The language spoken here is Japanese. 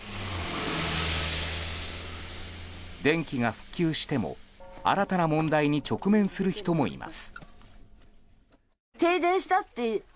電気が復旧しても、新たな問題に直面する人もいます。